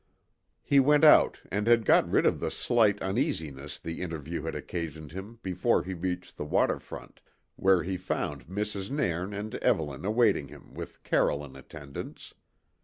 He went out and had got rid of the slight uneasiness the interview had occasioned him before he reached the water front, where he found Mrs. Nairn and Evelyn awaiting him with Carroll in attendance.